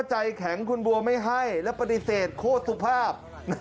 ใจแข็งคุณบัวไม่ให้และปฏิเสธโคตรสุภาพ